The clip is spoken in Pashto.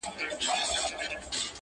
• چرمګرته چي یې هرڅومره ویله -